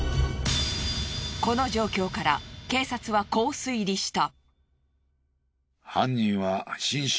この状況から警察はこう推理した。